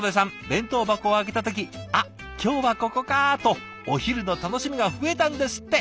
弁当箱を開けた時「あっ今日はここか」とお昼の楽しみが増えたんですって。